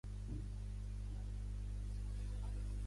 "La seu força no ha disminuït, però el seu gust, sí".